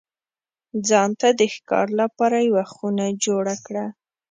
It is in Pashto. ځان ته د ښکار لپاره یوه خونه جوړه کړه.